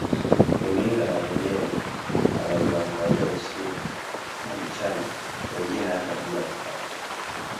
Runinga na Video wanazoangalia usiku na mchana pengine hata bila mipaka